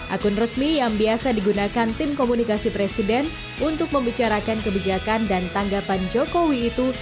akun resmi yang biasa digunakan tim komunikasi presiden untuk membicarakan kebijakan dan tanggapan jokowi itu